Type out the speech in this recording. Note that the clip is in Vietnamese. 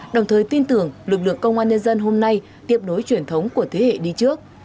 đồng thời tin tưởng lực lượng công an nhân dân hôm nay tiếp nối truyền thống của thế hệ đi trước